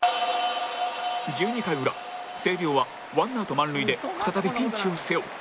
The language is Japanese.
１２回裏星稜はワンアウト満塁で再びピンチを背負う